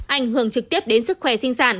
ảnh hưởng trực tiếp đến sức khỏe sinh sản